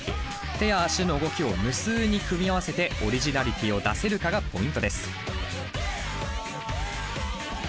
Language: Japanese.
手や足の動きを無数に組み合わせてオリジナリティーを出せるかがポイントです。